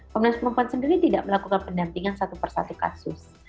komnas perempuan sendiri tidak melakukan pendampingan satu persatu kasus